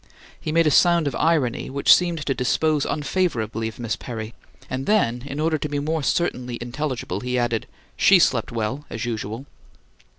He made a sound of irony, which seemed to dispose unfavourably of Miss Perry, and then, in order to be more certainly intelligible, he added, "She slept well, as usual!"